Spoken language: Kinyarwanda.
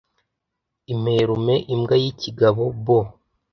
Imperume (imbwa y'ikigabo) Bo